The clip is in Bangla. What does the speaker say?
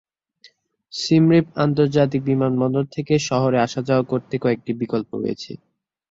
সিম রিপ আন্তর্জাতিক বিমানবন্দর থেকে শহরে আসা যাওয়া করতে কয়েকটি বিকল্প রয়েছে।